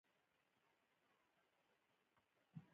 _ښه نو، د ښځې د نوم اخيستل بد اخلاقي ده!